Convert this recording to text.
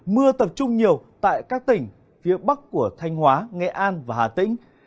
mưa tập trung nhiều tại các tỉnh phía bắc của thanh hóa nghệ an và hà tĩnh